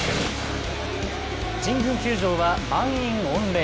神宮球場は満員御礼！